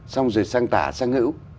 xong rồi sang tả sang hữu